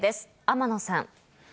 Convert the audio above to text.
天野さん。